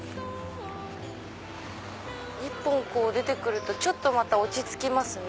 一本出て来るとちょっと落ち着きますね。